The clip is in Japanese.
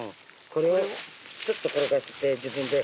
これをちょっと転がして自分で。